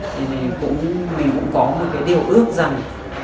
thì mình cũng có một cái điều ước rằng